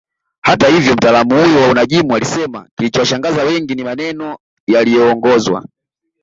Hata hivyo mtaalam huyo wa unajimu alisema kilichowashangaza wengi ni maneno yaliyoongozwa